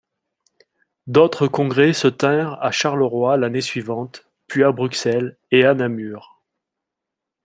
D'autres Congrès se tinrent à Charleroi l'année suivante, puis à Bruxelles et à Namur.